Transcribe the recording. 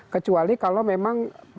kecuali kalau memang